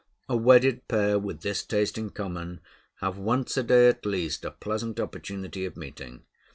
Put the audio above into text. A wedded pair with this taste in common have once a day at least a pleasant opportunity of meeting.